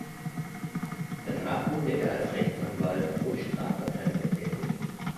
Danach wurde er als Rechtsanwalt und Strafverteidiger tätig.